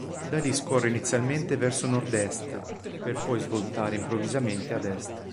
Da lì scorre inizialmente verso nord-est, per poi svoltare improvvisamente ad est.